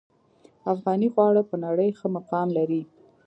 افغاني خواړه په نړۍ ښه مقام لري